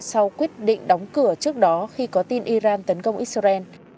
sau quyết định đóng cửa trước đó khi có tin iran tấn công israel